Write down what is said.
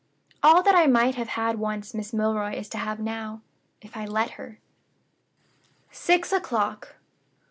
All that I might have had once Miss Milroy is to have now if I let her." "Six o'clock.